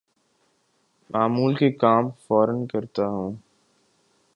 معمول کے کام فورا کرتا ہوں